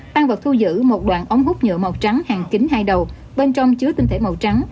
tăng vật thu giữ một đoạn ống hút nhựa màu trắng hàng kính hai đầu bên trong chứa tinh thể màu trắng